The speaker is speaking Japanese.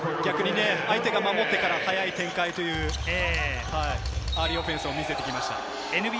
相手が守ってから早い展開というアーリーオフェンスを見せてきました。